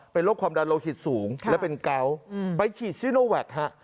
เป็นโรคความดันโลหิตสูงและเป็นเกาะไปฉีดซีโนแวคฮะ